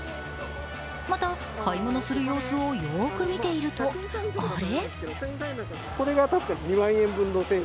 また、買い物する様子をよーく見ていると、あれ？